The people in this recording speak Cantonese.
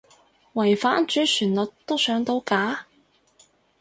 違反主旋律都上到架？